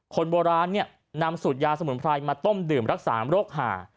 คนโบราณนำสูตรยาสมุนไพรมาต้มดื่มรักษาโรคหา